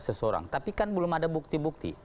seseorang tapi kan belum ada bukti bukti